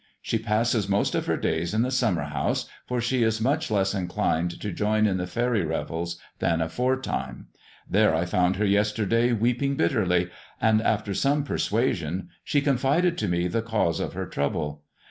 She passes most of her days in the summer house, for she is much less inclined to join in the faery revels than aforetime. There I found her yesterday weeping bitterly, and after some persuasion she confided to me the cause of her trouble.